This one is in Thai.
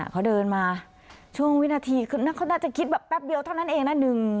เขาเดินมาช่วงวินาทีคือเขาน่าจะคิดแบบแป๊บเดียวเท่านั้นเองนะ